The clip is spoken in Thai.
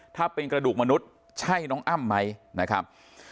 ถ้าเป็นกระดูกมนุษย์ใช่น้องอ้ำไหมนะครับ